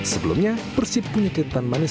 sebelumnya persib punya ketan manis